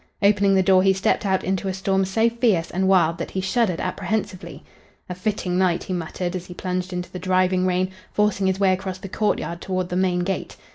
Opening the door he stepped out into a storm so fierce and wild that he shuddered apprehensively. "A fitting night!" he muttered, as he plunged into the driving rain, forcing his way across the court yard toward the main gate.